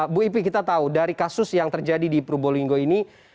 bu ipi kita tahu dari kasus yang terjadi di probolinggo ini